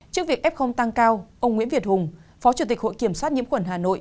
trước việc ép không tăng cao ông nguyễn việt hùng phó chủ tịch hội kiểm soát nhiễm quần hà nội